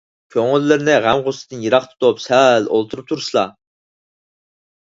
كۆڭۈللىرىنى غەم - غۇسسىدىن يىراق تۇتۇپ، سەل ئولتۇرۇپ تۇرسىلا.